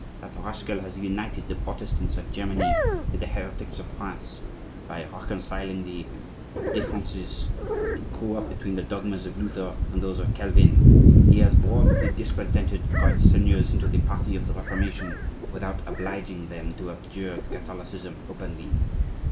That rascal has united the Protestants of Germany with the heretics of France by reconciling the differences that grew up between the dogmas of Luther and those of Calvin. He has brought the discontented great seigneurs into the party of the Reformation without obliging them to abjure Catholicism openly.